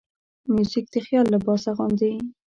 موزیک د خیال لباس اغوندي.